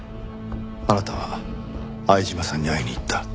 あなたは相島さんに会いに行った。